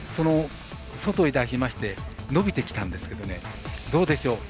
外に出しまして伸びてきたんですけどどうでしょう。